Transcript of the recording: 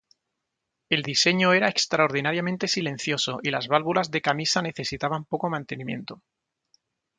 El diseño era extraordinariamente silencioso y las válvulas de camisa necesitaban poco mantenimiento.